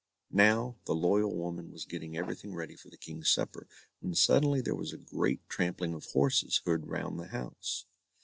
Now, the loyal woman was getting everything ready for the King's supper, when suddenly there was a great trampling of horses heard round the house.